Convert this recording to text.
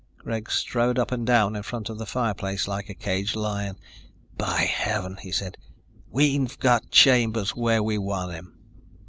Greg strode up and down in front of the fireplace like a caged lion. "By heaven," he said, "we've got Chambers where we want him.